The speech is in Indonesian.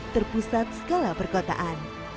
terpusat skala perkotaan